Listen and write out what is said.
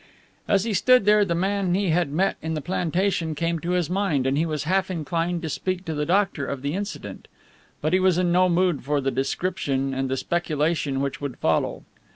As he stood there the man he had met in the plantation came to his mind and he was half inclined to speak to the doctor of the incident. But he was in no mood for the description and the speculation which would follow.